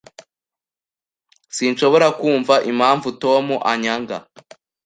Sinshobora kumva impamvu Tom anyanga.